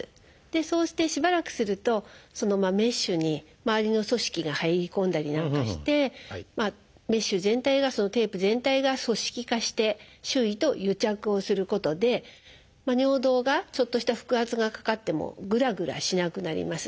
そうしてしばらくするとメッシュにまわりの組織が入り込んだりなんかしてメッシュ全体がテープ全体が組織化して周囲と癒着をすることで尿道がちょっとした腹圧がかかってもぐらぐらしなくなります。